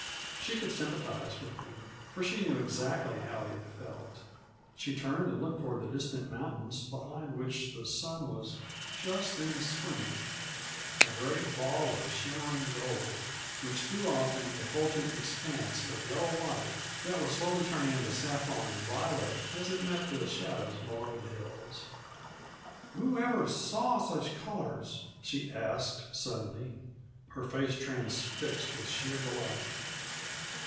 She could sympathize with him, for she knew exactly how he had felt. She turned and looked toward the distant mountains, behind which the sun was just then swimming a great ball of shimmering gold, which threw off an effulgent expanse of yellow light that was slowly turning into saffron and violet as it met the shadows below the hills. "Whoever saw such colors?" she asked suddenly, her face transfixed with sheer delight.